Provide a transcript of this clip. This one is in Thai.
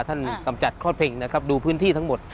กำจัดคลอดเพลงนะครับดูพื้นที่ทั้งหมด